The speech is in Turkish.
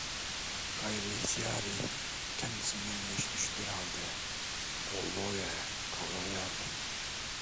Gayri ihtiyari, kendisinden geçmiş bir halde, olduğu yere kıvrılıverdi.